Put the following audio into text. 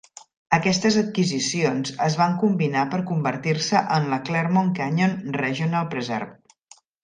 Aquestes adquisicions es van combinar per convertir-se en la Claremont Canyon Regional Preserve.